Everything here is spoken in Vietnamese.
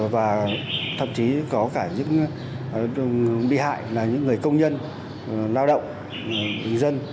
và thậm chí có cả những bị hại là những người công nhân lao động dân